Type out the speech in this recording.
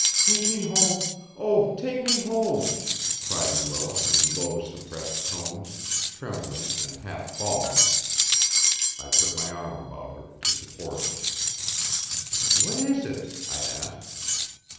"Take me home, oh, take me home!" cried Luella in low suppressed tones, trembling and half falling. I put my arm about her to support her. "What is it?" I asked.